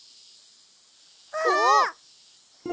あっ！